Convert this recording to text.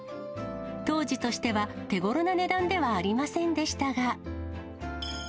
当時としては手頃な値段ではありませんでしたが。